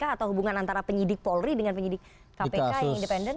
atau hubungan antara penyidik polri dengan penyidik kpk yang independen